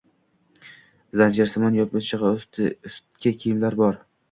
Zanjirsimon yopqichli ustki kiyimlar bor.